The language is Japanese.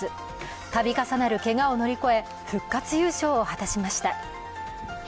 度重なるけがを乗り越え復活優勝を果たしました。